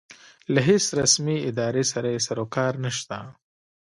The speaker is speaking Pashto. له هېڅ رسمې ادارې سره یې سروکار نشته.